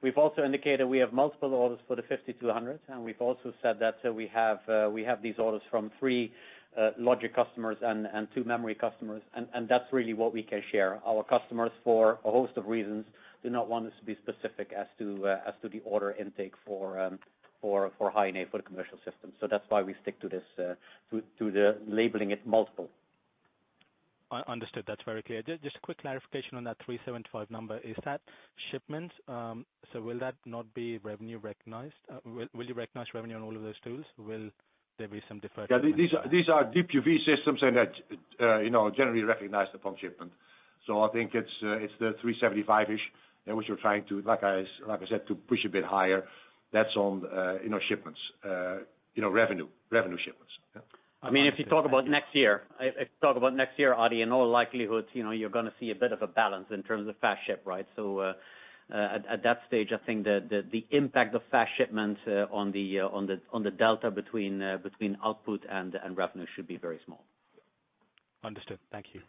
We've also indicated we have multiple orders for the 5,200, and we've also said that we have these orders from 3 logic customers and 2 memory customers. That's really what we can share. Our customers, for a host of reasons, do not want us to be specific as to the order intake for High-NA for the commercial system. That's why we stick to this, to the labeling it multiple.
Understood. That's very clear. Just a quick clarification on that 375 number. Is that shipment? Will that not be revenue recognized? Will you recognize revenue on all of those tools? Will there be some deferred-
Yeah, these are DUV systems generally recognized upon shipment. I think it's 375-ish, which we're trying to, like I said, to push a bit higher. That's on shipments, revenue shipments. Yeah.
I mean, if you talk about next year, Adithya, in all likelihood, you know, you're gonna see a bit of a balance in terms of fast ship, right? At that stage, I think the impact of fast shipment on the delta between output and revenue should be very small.
Understood. Thank you.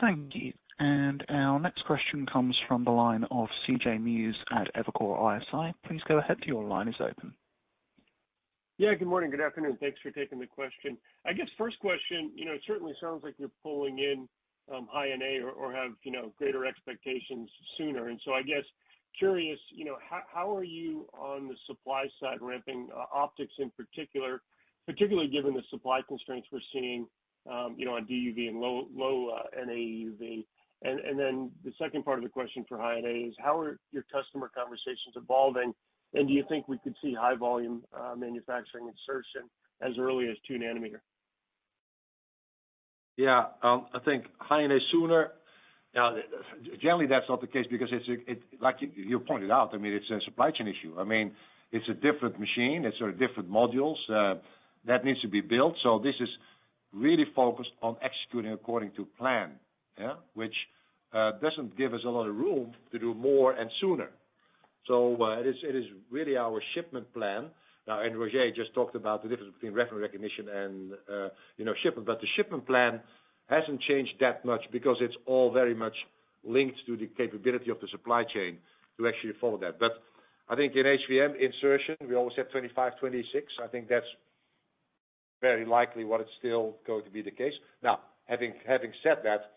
Thank you. Our next question comes from the line of CJ Muse at Evercore ISI. Please go ahead. Your line is open.
Yeah, good morning, good afternoon. Thanks for taking the question. I guess first question, you know, it certainly sounds like you're pulling in High NA or have, you know, greater expectations sooner. I guess curious, you know, how are you on the supply side ramping optics in particular, particularly given the supply constraints we're seeing, you know, on DUV and low NA EUV? Then the second part of the question for High NA is how are your customer conversations evolving, and do you think we could see high volume manufacturing insertion as early as 2 nanometer?
Yeah. I think High NA sooner, generally, that's not the case because it's, like you pointed out, I mean, it's a supply chain issue. I mean, it's a different machine. It's sort of different modules that needs to be built. This is really focused on executing according to plan. Yeah. Which doesn't give us a lot of room to do more and sooner. It is really our shipment plan. Now, Roger just talked about the difference between revenue recognition and, you know, shipment. The shipment plan hasn't changed that much because it's all very much linked to the capability of the supply chain to actually follow that. I think in HVM insertion, we always said 2025, 2026. I think that's very likely what is still going to be the case. Now, having said that,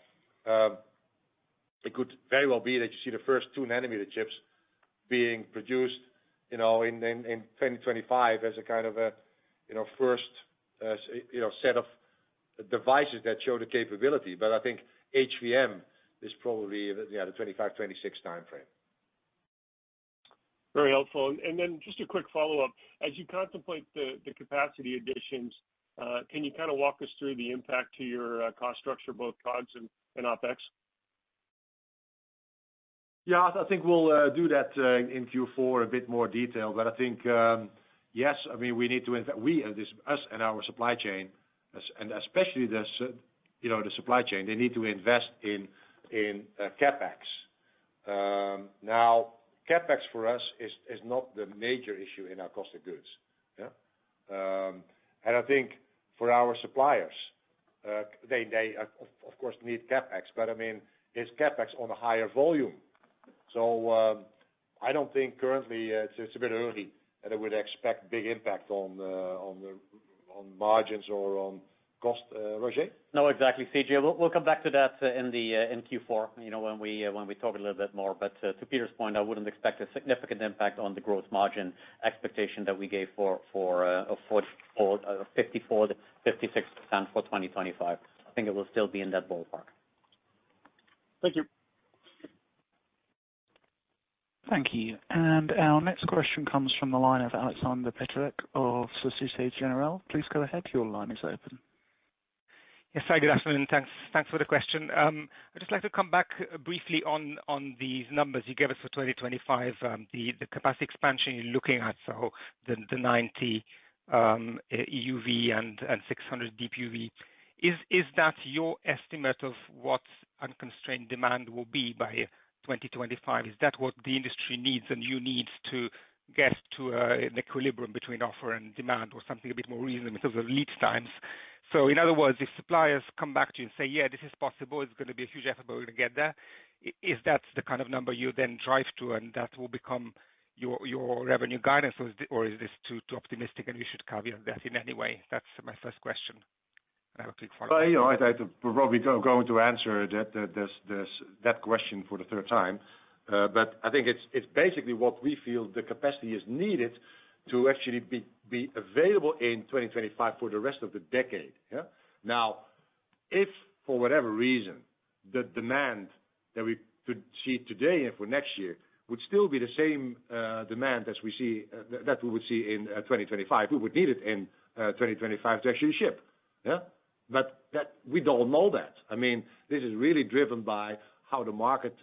it could very well be that you see the first 2 nm chips being produced, you know, in 2025 as a kind of a, you know, first set of devices that show the capability. I think HVM is probably the 25-26 timeframe.
Very helpful. Just a quick follow-up. As you contemplate the capacity additions, can you kind of walk us through the impact to your cost structure, both COGS and OpEx?
Yeah. I think we'll do that in Q4 a bit more detail. I think yes, I mean, we need to invest. We, as ASML and our supply chain. You know, the supply chain, they need to invest in CapEx. Now CapEx for us is not the major issue in our cost of goods. Yeah. I think for our suppliers, they of course need CapEx, but I mean, it's CapEx on a higher volume. I don't think currently it's a bit early that I would expect big impact on the margins or on cost. Roger?
No, exactly, CJ. We'll come back to that in Q4, you know, when we talk a little bit more. To Peter's point, I wouldn't expect a significant impact on the gross margin expectation that we gave for 44% or 54%-56% for 2025. I think it will still be in that ballpark.
Thank you.
Thank you. Our next question comes from the line of Aleksander Peterc of Société Générale. Please go ahead. Your line is open.
Yes. Hi, good afternoon. Thanks. Thanks for the question. I'd just like to come back briefly on the numbers you gave us for 2025, the capacity expansion you're looking at, so the 90 EUV and 600 DUV. Is that your estimate of what unconstrained demand will be by 2025? Is that what the industry needs and you need to get to an equilibrium between offer and demand or something a bit more reasonable because of lead times? In other words, if suppliers come back to you and say, "Yeah, this is possible, it's gonna be a huge effort, but we can get there," is that the kind of number you then drive to and that will become your revenue guidance? Or is this too optimistic and you should caveat that in any way? That's my first question. I have a quick follow-up.
Well, you know, we're probably going to answer that question for the third time. I think it's basically what we feel the capacity is needed to actually be available in 2025 for the rest of the decade. Yeah? Now, if for whatever reason, the demand that we could see today and for next year would still be the same demand as we see that we would see in 2025, we would need it in 2025 to actually ship. Yeah? That, we don't know that. I mean, this is really driven by how the market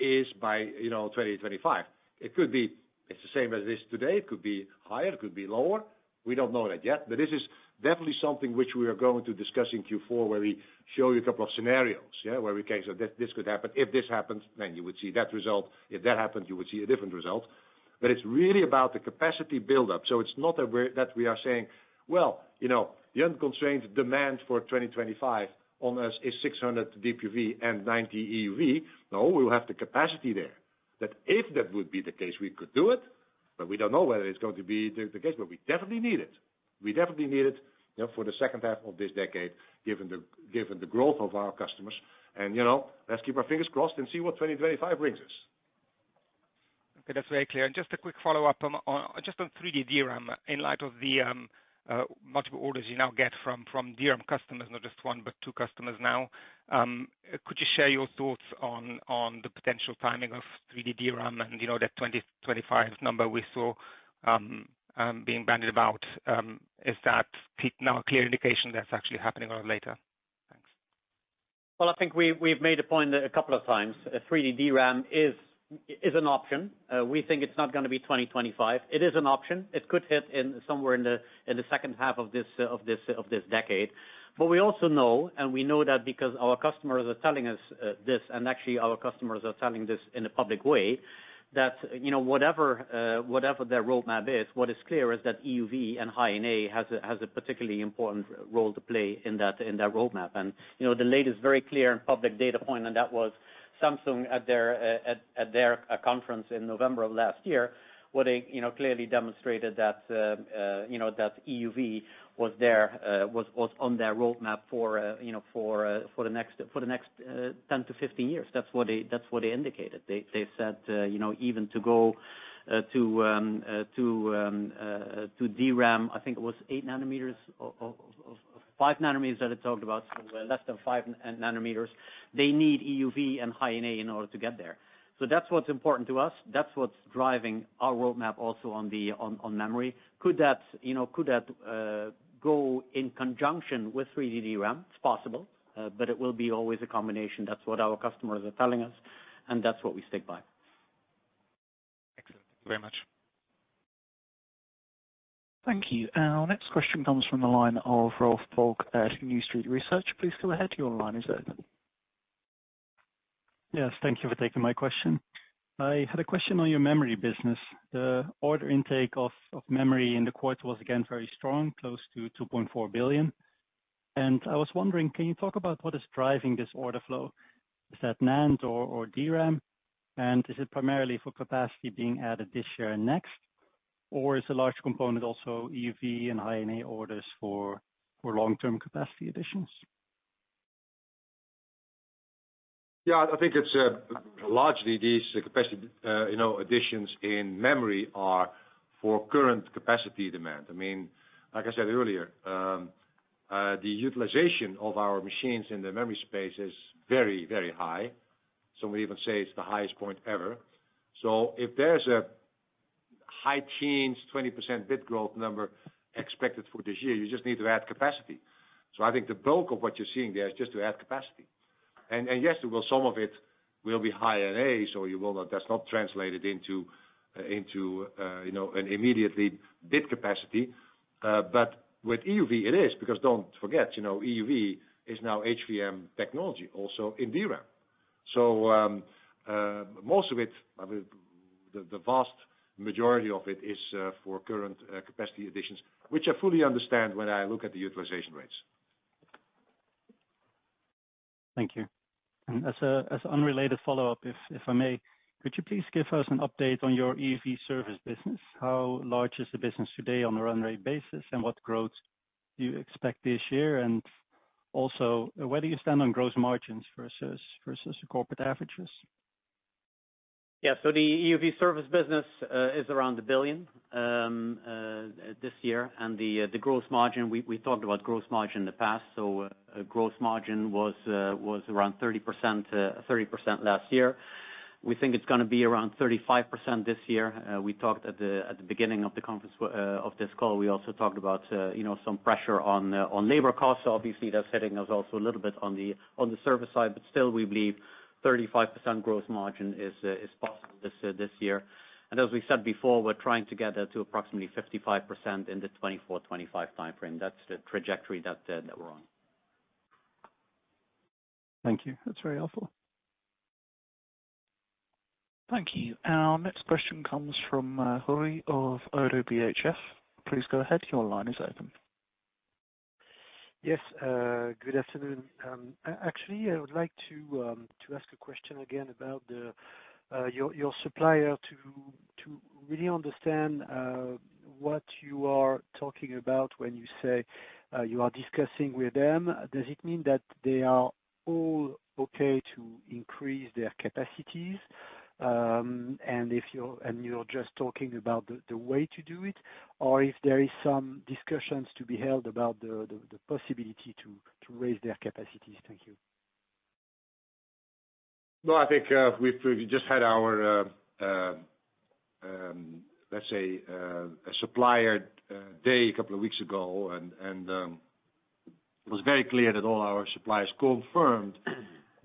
is by, you know, 2025. It could be it's the same as it is today. It could be higher, it could be lower. We don't know that yet. This is definitely something which we are going to discuss in Q4 where we show you a couple of scenarios, yeah? Where we can say this could happen. If this happens, then you would see that result. If that happens, you would see a different result. It's really about the capacity buildup. So it's not that we are saying, "Well, you know, the unconstrained demand for 2025 on this is 600 DUV and 90 EUV." No, we'll have the capacity there. That if that would be the case, we could do it, but we don't know whether it's going to be the case, but we definitely need it. We definitely need it, you know, for the second half of this decade, given the growth of our customers. You know, let's keep our fingers crossed and see what 2025 brings us.
Okay, that's very clear. Just a quick follow-up on just 3D DRAM in light of the multiple orders you now get from DRAM customers, not just one but two customers now. Could you share your thoughts on the potential timing of 3D DRAM and, you know, that 2025 number we saw being bandied about? Is that now a clear indication that's actually happening or later? Thanks.
I think we've made a point a couple of times. 3D DRAM is an option. We think it's not gonna be 2025. It is an option. It could hit somewhere in the second half of this decade. We also know, and we know that because our customers are telling us this, and actually, our customers are telling this in a public way, that you know, whatever their roadmap is, what is clear is that EUV and High NA has a particularly important role to play in that roadmap. You know, the latest very clear and public data point, and that was Samsung at their conference in November of last year, where they, you know, clearly demonstrated that, you know, that EUV was on their roadmap for, you know, for the next 10 to 15 years. That's what they indicated. They said, you know, even to go to DRAM, I think it was 8 nanometers or of 5 nanometers that it talked about, less than 5 nanometers. They need EUV and High NA in order to get there. That's what's important to us. That's what's driving our roadmap also on the memory. Could that, you know, go in conjunction with 3D DRAM? It's possible, but it will be always a combination. That's what our customers are telling us, and that's what we stick by.
Excellent. Thank you very much.
Thank you. Our next question comes from the line of Rolf Bulk at New Street Research. Please go ahead. Your line is open.
Yes. Thank you for taking my question. I had a question on your memory business. The order intake of memory in the quarter was again very strong, close to 2.4 billion. I was wondering, can you talk about what is driving this order flow? Is that NAND or DRAM, and is it primarily for capacity being added this year and next, or is a large component also EUV and High NA orders for long-term capacity additions?
Yeah, I think it's largely these capacity, you know, additions in memory are for current capacity demand. I mean, like I said earlier, the utilization of our machines in the memory space is very, very high. Some would even say it's the highest point ever. If there's a high-teens 20% bit growth number expected for this year, you just need to add capacity. I think the bulk of what you're seeing there is just to add capacity. Yes, well some of it will be High NA, so you will know that's not translated into you know an immediate bit capacity. But with EUV it is because don't forget, you know, EUV is now HVM technology also in DRAM. Most of it, I mean, the vast majority of it is for current capacity additions, which I fully understand when I look at the utilization rates.
Thank you. As an unrelated follow-up, if I may, could you please give us an update on your EUV service business? How large is the business today on a run rate basis, and what growth do you expect this year? Where do you stand on gross margins versus the corporate averages?
Yeah. The EUV service business is around 1 billion this year. The gross margin, we talked about gross margin in the past. Gross margin was around 30% last year. We think it's gonna be around 35% this year. We talked at the beginning of the conference of this call, we also talked about, you know, some pressure on labor costs. Obviously that's hitting us also a little bit on the service side, but still we believe 35% gross margin is possible this year. As we said before, we're trying to get that to approximately 55% in the 2024/2025 timeframe. That's the trajectory that we're on.
Thank you. That's very helpful.
Thank you. Our next question comes from, Stéphane Houri of ODDO BHF. Please go ahead. Your line is open.
Yes. Good afternoon. Actually, I would like to ask a question again about your supplier to really understand what you are talking about when you say you are discussing with them. Does it mean that they are all okay to increase their capacities, and if you're just talking about the way to do it? Or if there is some discussions to be held about the possibility to raise their capacities. Thank you.
No, I think we've just had our, let's say, a supplier day a couple of weeks ago, and it was very clear that all our suppliers confirmed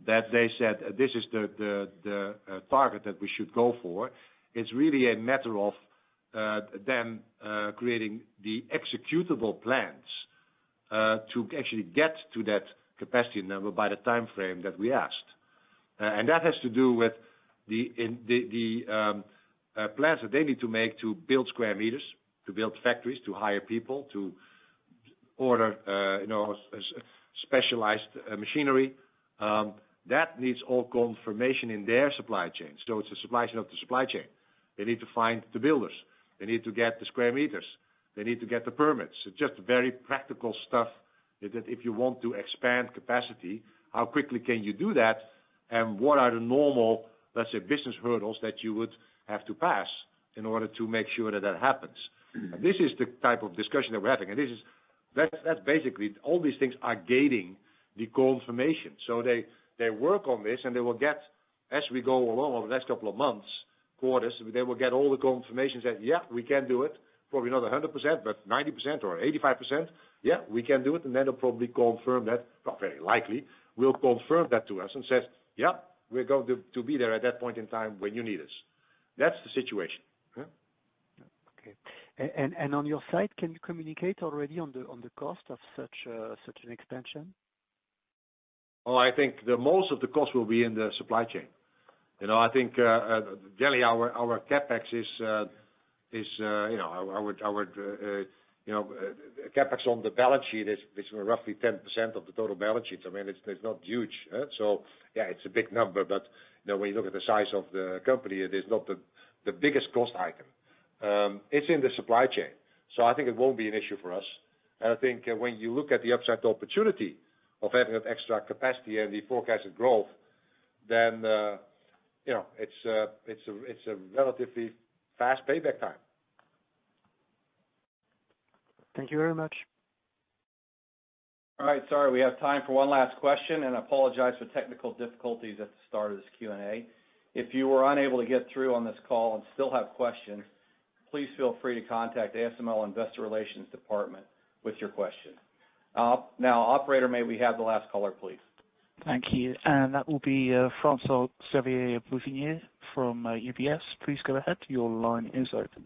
that they said this is the target that we should go for. It's really a matter of them creating the executable plans to actually get to that capacity number by the timeframe that we asked. And that has to do with the plans that they need to make to build square meters, to build factories, to hire people, to order, you know, specialized machinery. That needs all confirmation in their supply chain. It's a supply chain of the supply chain. They need to find the builders. They need to get the square meters. They need to get the permits. It's just very practical stuff that if you want to expand capacity, how quickly can you do that? What are the normal, let's say, business hurdles that you would have to pass in order to make sure that that happens? This is the type of discussion that we're having. That's basically all these things are gaining the confirmation. They work on this and they will get, as we go along over the next couple of months, quarters, they will get all the confirmations that, yeah, we can do it. Probably not 100%, but 90% or 85%. Yeah, we can do it. Then they'll probably confirm that, well very likely, will confirm that to us and say, "Yeah, we're going to to be there at that point in time when you need us." That's the situation. Yeah.
Okay. On your side, can you communicate already on the cost of such an expansion?
Well, I think most of the cost will be in the supply chain. You know, I think generally our CapEx on the balance sheet is roughly 10% of the total balance sheet. I mean, it's not huge. Yeah, it's a big number, but you know, when you look at the size of the company, it is not the biggest cost item. It's in the supply chain, so I think it won't be an issue for us. I think when you look at the upside opportunity of having that extra capacity and the forecasted growth, you know, it's a relatively fast payback time.
Thank you very much.
All right. Sorry, we have time for one last question, and I apologize for technical difficulties at the start of this Q&A. If you were unable to get through on this call and still have questions, please feel free to contact ASML Investor Relations department with your question. Now, operator, may we have the last caller, please?
Thank you. That will be François-Xavier Bouvignies from UBS. Please go ahead. Your line is open.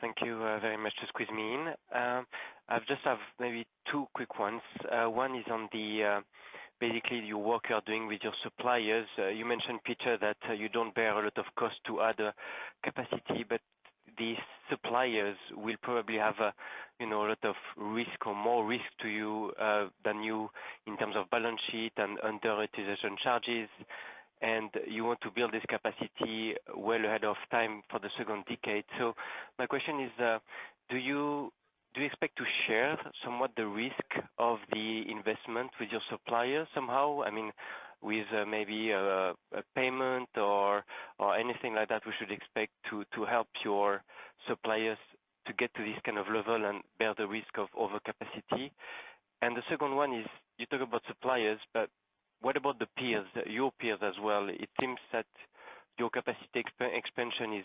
Thank you very much to squeeze me in. I just have maybe two quick ones. One is on basically the work you're doing with your suppliers. You mentioned, Peter, that you don't bear a lot of cost to add capacity, but these suppliers will probably have, you know, a lot of risk or more risk to you than you in terms of balance sheet and depreciation charges. You want to build this capacity well ahead of time for the second decade. My question is, do you expect to share somewhat the risk of the investment with your suppliers somehow? I mean, with maybe a payment or anything like that we should expect to help your suppliers to get to this kind of level and bear the risk of overcapacity? The second one is you talk about suppliers, but what about the peers, your peers as well? It seems that your capacity expansion is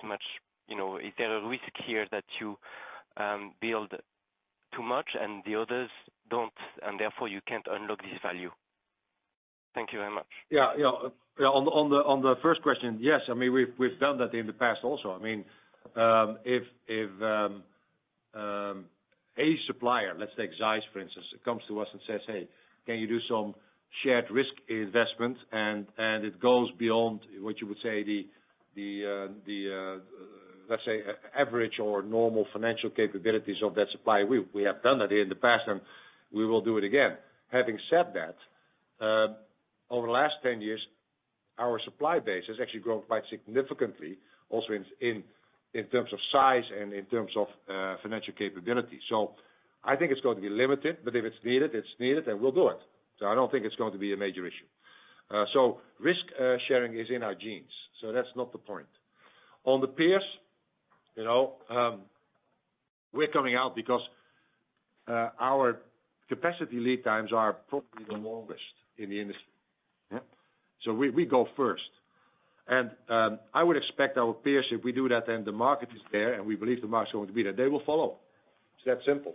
quite you know big at least since last year. Do you expect the peers for other parts of the you know supply chain to increase as much you know? Is there a risk here that you build too much and the others don't, and therefore, you can't unlock this value? Thank you very much.
Yeah. Yeah. On the first question, yes. I mean, we've done that in the past also. I mean, if a supplier, let's take ZEISS for instance, comes to us and says, "Hey, can you do some shared risk investment?" It goes beyond what you would say the let's say average or normal financial capabilities of that supplier. We have done that in the past, and we will do it again. Having said that, over the last 10 years, our supply base has actually grown quite significantly also in terms of size and in terms of financial capability. I think it's going to be limited, but if it's needed, it's needed, and we'll do it. I don't think it's going to be a major issue. Risk sharing is in our genes, so that's not the point. On the peers, you know, we're coming out because our capacity lead times are probably the longest in the industry. We go first. I would expect our peers, if we do that, then the market is there, and we believe the market's going to be there. They will follow. It's that simple.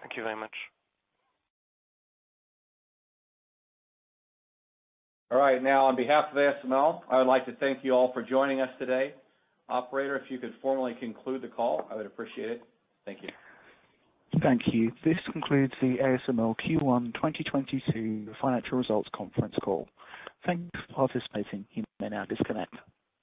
Thank you very much. All right. Now on behalf of ASML, I would like to thank you all for joining us today. Operator, if you could formally conclude the call, I would appreciate it. Thank you.
Thank you. This concludes the ASML Q1 2022 financial results conference call. Thank you for participating. You may now disconnect.